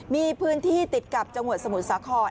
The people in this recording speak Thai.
มีพื้นที่ติดกับจังหวัดสมุทรสาคร